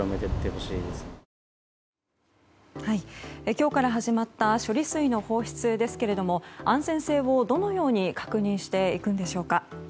今日から始まった処理水の放出ですけれども安全性をどのように確認していくんでしょうか。